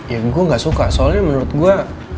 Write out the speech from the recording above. yang gue gak suka soalnya menurut gue